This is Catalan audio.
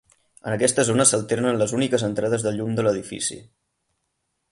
En aquesta zona s'alternen les úniques entrades de llum de l'edifici.